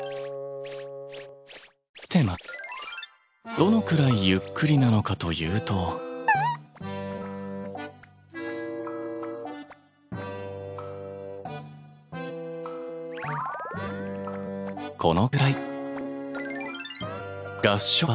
どのくらいゆっくりなのかというとキュル。